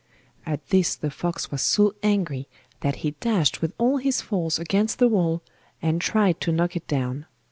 At this the fox was so angry that he dashed with all his force against the wall, and tried to knock it down.